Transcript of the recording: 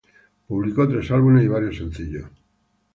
Publicó tres álbumes y varios sencillos.